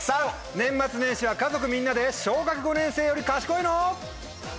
年末年始は家族みんなで小学５年生より賢いの？